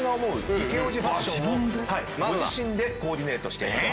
イケおじファッションをご自身でコーディネートしていただくと。